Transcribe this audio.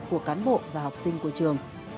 của cán bộ và học sinh của trường